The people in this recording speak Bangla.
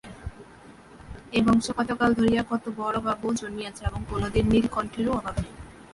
এ বংশে কতকাল ধরিয়া কত বড়োবাবু জন্মিয়াছে এবং কোনোদিন নীলকণ্ঠেরও অভাব নাই।